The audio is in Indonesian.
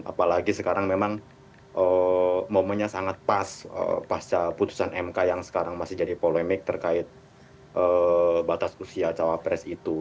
apalagi sekarang memang momennya sangat pas pasca putusan mk yang sekarang masih jadi polemik terkait batas usia cawapres itu